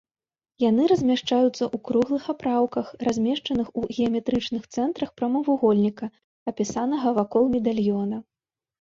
Яны размяшчаюцца ў круглых апраўках, размешчаных у геаметрычных цэнтрах прамавугольніка, апісанага вакол медальёна.